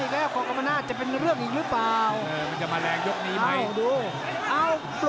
ต้องมาเริ่มเสียงเฮมาญอีก